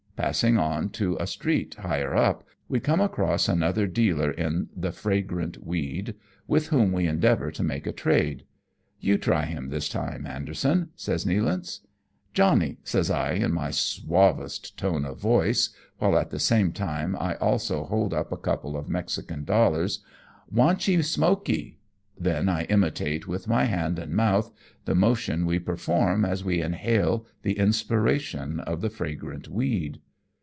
Passing on to a street higher up, we come across another dealer in the fragrant weed, with whom we endeavour to make a trade. " You try him this time, Anderson .'" says Nealance. " Johnnie," says I in mj' suavest tone of voice, while at the same time I also hold up a couple of Mexican dollars, " wantchee smokee ;" then I imitate with my hand and mouth the motions we perform as we inhale the inspiration of the fragrant weed.